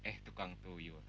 eh tukang tuyul